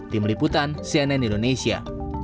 tim liputan cnn indonesia